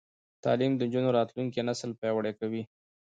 تعلیم د نجونو راتلونکی نسل پیاوړی کوي.